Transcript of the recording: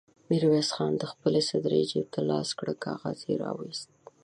ميرويس خان د خپلې سدرۍ جېب ته لاس کړ، کاغذ يې را وايست.